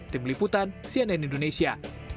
tim liputan cnn indonesia